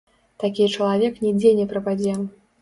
Такі чалавек нідзе не прападзе.